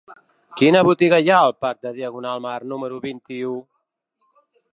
Quina botiga hi ha al parc de Diagonal Mar número vint-i-u?